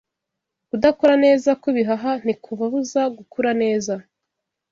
Kudakora neza kw’ibihaha ntikubabuza gukura neza gusa